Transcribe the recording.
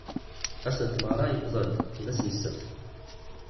Ass n tmeɣra yewweḍ-d, d ass n ssebt.